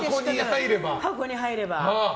箱に入れば。